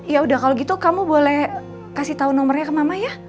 ya udah kalau gitu kamu boleh kasih tahu nomornya ke mama ya